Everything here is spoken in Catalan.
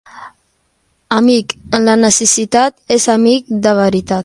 Amic en la necessitat és amic de veritat.